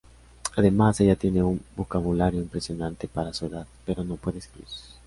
Además, ella tiene un vocabulario impresionante para su edad, pero no puede escribir.